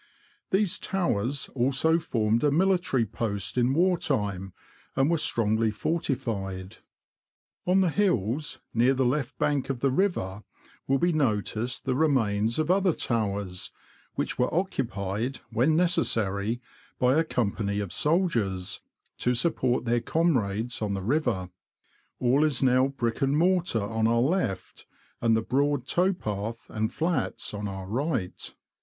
These towers also formed a military post in war time, and were strongly fortified On the hills, near the left bank of the river, will be noticed the remains of other towers, which were occupied, when necessary, by a company of soldiers, lo support their comrades on the river. All is now LOWESTOFT TO NORWICH. 65 brick and mortar on our left, and the broad tow path and flats on our right.